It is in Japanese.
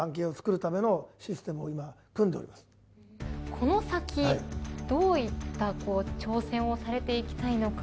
この先どういった挑戦をされていきたいのか。